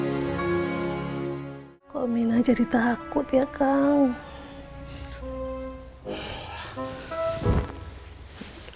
hai komin aja ditakut ya kang